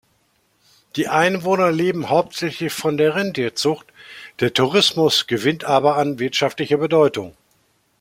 Die Einwohner leben hauptsächlich von der Rentierzucht, der Tourismus gewinnt aber an wirtschaftlicher Bedeutung.